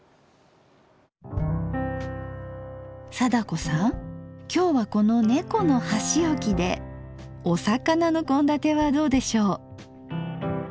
貞子さん今日はこの猫の箸置きでお魚の献立はどうでしょう？